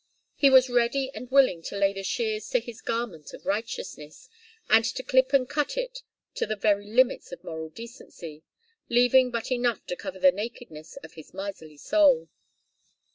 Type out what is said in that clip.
He was ready and willing to lay the shears to his garment of righteousness, and to clip and cut it to the very limits of moral decency, leaving but enough to cover the nakedness of his miserly soul.